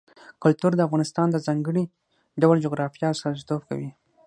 کلتور د افغانستان د ځانګړي ډول جغرافیه استازیتوب کوي.